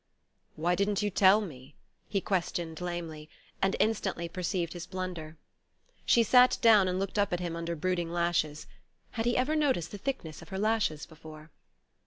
"Why didn't you tell me?" he questioned lamely; and instantly perceived his blunder. She sat down, and looked up at him under brooding lashes had he ever noticed the thickness of her lashes before?